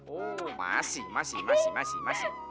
oh masih masih masih